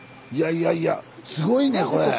いやいやすごいねこれ。